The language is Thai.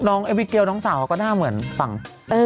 แต่น้องเอปิเกียลน้องสาวก็หน้าเหมือนฝั่ง